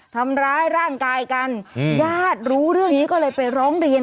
ทำร้ายร่างกายกันญาติรู้เรื่องนี้ก็เลยไปร้องเรียน